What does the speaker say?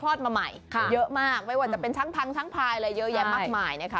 ทอดมาใหม่เยอะมากไม่ว่าจะเป็นทั้งพังทั้งพายเลยเยอะแยะมากมาย